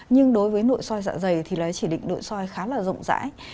nhưng đối với nội soi dạ dày thì lấy chỉ định nội soi khá là rộng rãi